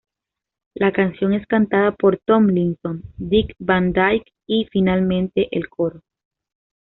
La canción es cantada por Tomlinson, Dick Van Dyke y finalmente, el coro.